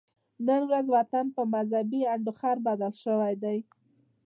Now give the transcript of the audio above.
نن ورځ وطن په مذهبي انډوخر بدل شوی دی